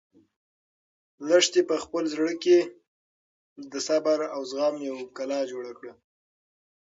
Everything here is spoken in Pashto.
لښتې په خپل زړه کې د صبر او زغم یوه کلا جوړه کړه.